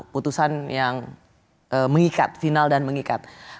putusan yang mengikat final dan mengikat